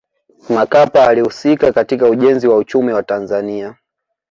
makapa alihusika katika ujenzi wa uchumi wa tanzania